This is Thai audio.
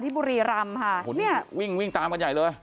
ที่บุรีรำค่ะนี่วิ่งตามกันใหญ่เลย